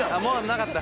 なかった。